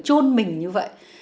trôn mình như vậy